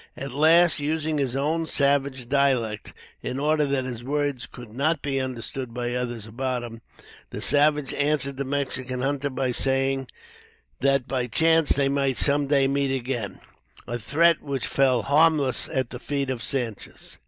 At last, using his own savage dialect, in order that his words could not be understood by others about him, the savage answered the Mexican hunter by saying, "that by chance they might some day meet again;" a threat which fell harmless at the feet of Sanchez.